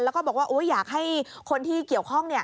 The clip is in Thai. แล้วก็บอกว่าอยากให้คนที่เกี่ยวข้อง